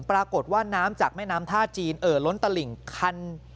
ปรากฏว่าน้ำจากแม่น้ำท่าจีนเอ่อล้นตลิ่งคัน